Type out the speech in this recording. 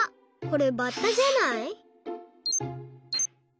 これバッタじゃない？